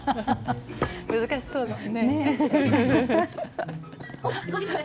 難しそうですね。